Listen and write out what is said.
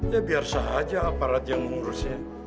ya biar saja aparat yang ngurusnya